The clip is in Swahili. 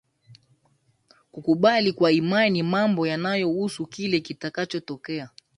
kukubali kwa imani mambo yanayohusu kile kitakachotokea